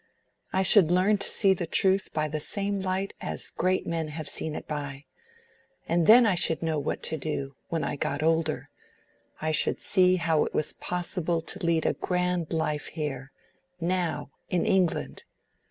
I should learn to see the truth by the same light as great men have seen it by. And then I should know what to do, when I got older: I should see how it was possible to lead a grand life here—now—in England.